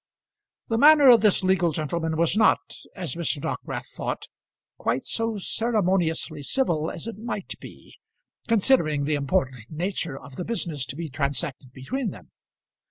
The manner of this legal gentleman was not, as Mr. Dockwrath thought, quite so ceremoniously civil as it might be, considering the important nature of the business to be transacted between them.